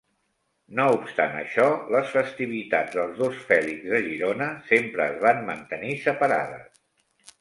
No obstant això, les festivitats dels dos Fèlix de Girona sempre es van mantenir separades.